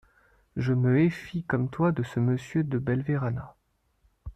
Je me éfie comme toi de ce Monsieur De Belverana.